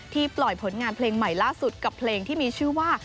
ปล่อยผลงานเพลงใหม่ล่าสุดกับเพลงที่มีชื่อว่า